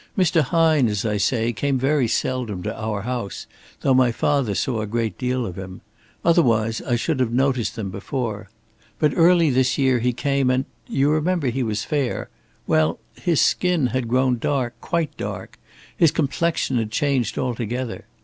Mr. Hine, as I say, came very seldom to our house, though my father saw a great deal of him. Otherwise I should have noticed them before. But early this year he came and you remember he was fair well, his skin had grown dark, quite dark, his complexion had changed altogether.